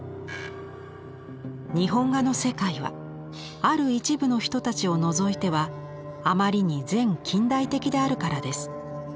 「日本画の世界はある一部の人たちをのぞいてはあまりに前近代的であるからです。